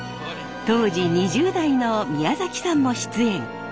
当時２０代の宮崎さんも出演。